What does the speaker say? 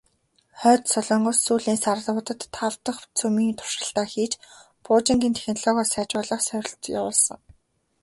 Хойд Солонгос сүүлийн саруудад тав дахь цөмийн туршилтаа хийж, пуужингийн технологио сайжруулах сорилт явуулсан.